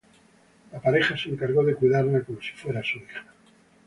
La pareja se encargó de cuidarla como si fuera su hija.